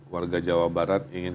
warga jawa barat ingin